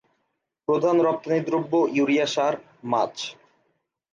প্রধান রপ্তানিদ্রব্য ইউরিয়া সার, মাছ।